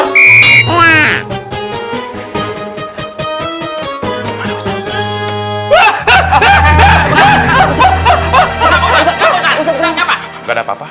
gak ada apa apa